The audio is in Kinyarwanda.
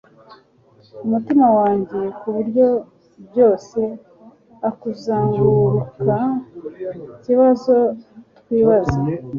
umutima wanjye kuburyo byose a-kuzungurukaikibazo twibaza